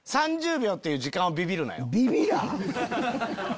３０秒っていう時間をビビるなよ。